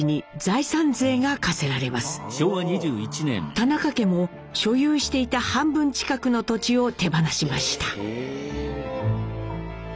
田中家も所有していた半分近くの土地を手放しました。